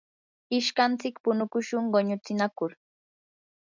ishkantsik punukushun quñutsinakur.